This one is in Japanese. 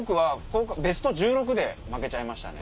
ベスト１６で負けちゃいましたね。